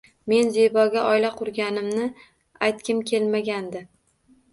– Men Zeboga oila qurganimni aytgim kelmagandi.